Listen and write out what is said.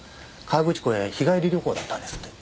河口湖へ日帰り旅行だったんですって。